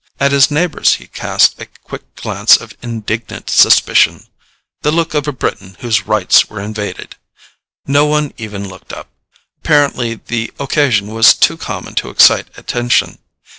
At his neighbors he cast a quick glance of indignant suspicion the look of a Briton whose rights were invaded. No one even looked up; apparently the occasion was too common to excite attention.